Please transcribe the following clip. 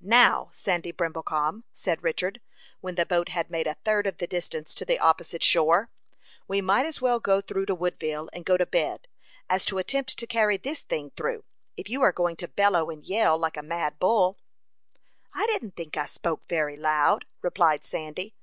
"Now, Sandy Brimblecom," said Richard, when the boat had made a third of the distance to the opposite shore, "we might as well go back to Woodville, and go to bed, as to attempt to carry this thing through, if you are going to bellow and yell like a mad bull." "I didn't think I spoke very loud," replied Sandy.